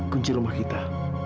kunci rumah kita